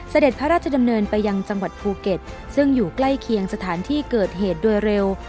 เสด็จพระราชดำเนินไปยังจังหวัดภูเก็ตซึ่งอยู่ใกล้เคียงสถานที่เกิดเหตุโดยเร็ว